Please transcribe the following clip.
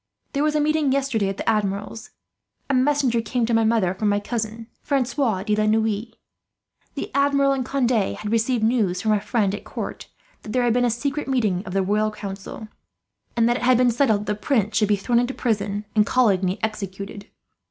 There was a meeting yesterday at the Admiral's. A messenger came to my mother from my cousin, Francois de la Noue. The Admiral and Conde had received news, from a friend at court, that there had been a secret meeting of the Royal Council; and that it had been settled that the Prince should be thrown into prison, and Coligny executed.